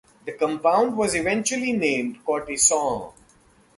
The compound was eventually named cortisone.